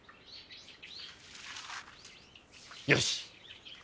よし。